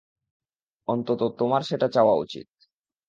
অন্তত তোমার সেটা চাওয়া উচিৎ।